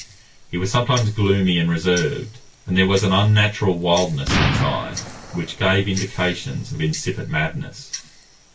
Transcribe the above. He was sometimes gloomy and reserved, and there was an unnatural wildness in his eye which gave indications of incipient madness.